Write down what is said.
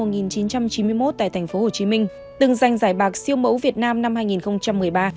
minh tú sinh năm một nghìn chín trăm chín mươi một tại tp hcm từng giành giải bạc siêu mẫu việt nam năm hai nghìn một mươi ba